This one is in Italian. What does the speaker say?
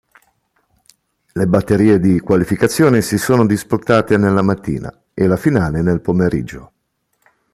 Le batterie di qualificazione si sono disputate nella mattina e la finale nel pomeriggio.